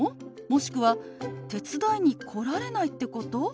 もしくは「手伝いに来られないってこと？」と